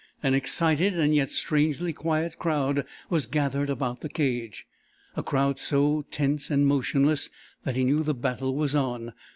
An excited and yet strangely quiet crowd was gathered about the cage a crowd so tense and motionless that he knew the battle was on.